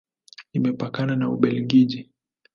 Imepakana na Ubelgiji, Ufaransa na Ujerumani.